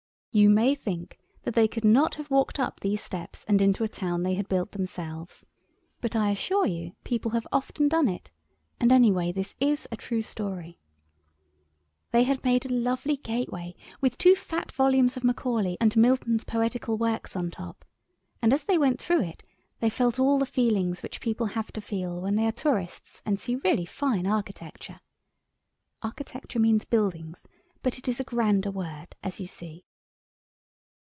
You may think that they could not have walked up these steps and into a town they had built themselves, but I assure you people have often done it, and anyway this is a true story. They had made a lovely gateway with two fat volumes of Macaulay and Milton's poetical works on top, and as they went through it they felt all the feelings which people have to feel when they are tourists and see really fine architecture. (Architecture means buildings, but it is a grander word, as you see.)